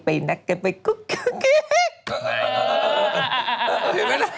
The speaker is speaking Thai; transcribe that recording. ไปนักกันไปกุ๊กกี๊ก๊ก๊